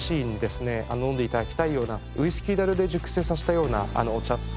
飲んで頂きたいようなウイスキー樽で熟成させたようなお茶。